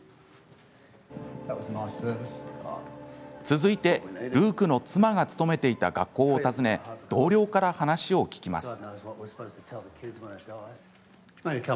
続いてルークの妻が勤めていた学校を訪ね同僚から話を聞きます。